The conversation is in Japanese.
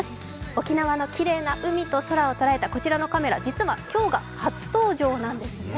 沖縄のきれいな海と空をとらえたこちらのカメラ、実は今日が初登場なんですね。